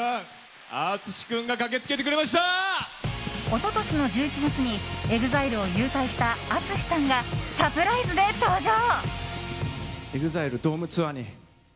一昨年の１１月にＥＸＩＬＥを勇退したＡＴＳＵＳＨＩさんがサプライズで登場！